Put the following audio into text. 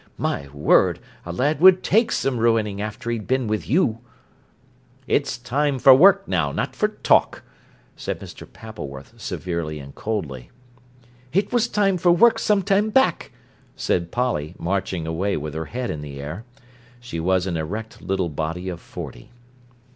My word, a lad would take some ruining after he'd been with you." "It's time for work now, not for talk," said Mr. Pappleworth severely and coldly. "It was time for work some time back," said Polly, marching away with her head in the air. She was an erect little body of forty.